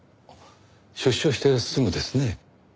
出所してすぐですね。